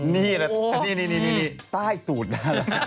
นี่ใต้ตูดนะ